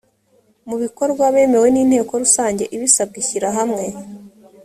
mu bikorwa bemewe n inteko rusange ibisabwe ishyirahamwe